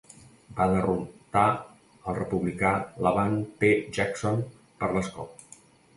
Va derrotar al republicà Laban P. Jackson per l'escó.